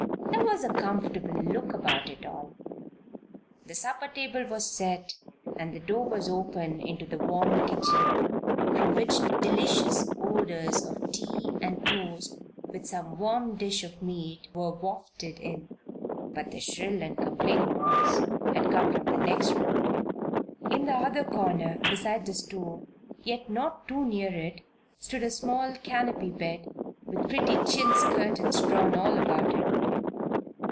There was a comfortable look about it all. The supper table was set and the door was opened into the warm kitchen, from which delicious odors of tea and toast with some warm dish of meat, were wafted in. But the shrill and complaining voice had not come from the next room. In the other corner beside the stove, yet not too near it, stood a small canopy bed with the pretty chintz curtains drawn all about it.